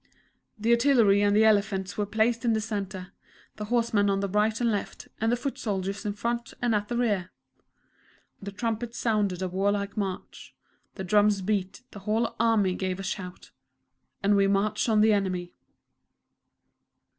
The Artillery and the Elephants were placed in the centre; the Horsemen on the right and left, and the foot soldiers in front and at the rear. The trumpets sounded a warlike march; the drums beat; the whole army gave a shout and we marched on the enemy.